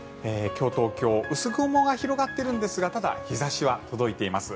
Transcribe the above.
今日、東京薄雲が広がっているんですがただ日差しは届いています。